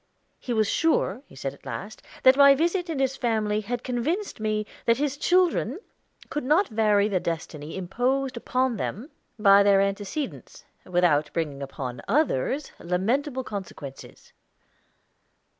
He was sure, he said at last, that my visit in his family had convinced me that his children could not vary the destiny imposed upon them by their antecedents, without bringing upon others lamentable consequences.